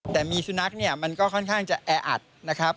แต่มีสุนัขเนี่ยมันก็ค่อนข้างจะแออัดนะครับ